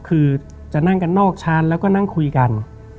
คือจะนั่งกันนอกชั้นแล้วก็นั่งคุยกัน